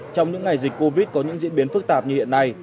trong những ngày dịch covid có những diễn biến phức tạp như hiện nay